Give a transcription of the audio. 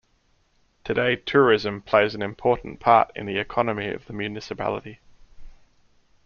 Today tourism plays an important part in the economy of the municipality.